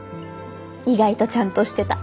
意外とちゃんとしてた。